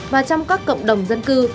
và trong các cộng đồng dân cư